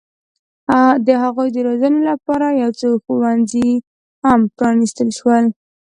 د هغوی د روزنې لپاره یو څو ښوونځي هم پرانستل شول.